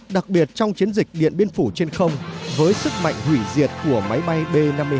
đặc biệt trong chiến dịch điện biên phủ trên không với sức mạnh hủy diệt của máy bay b năm mươi hai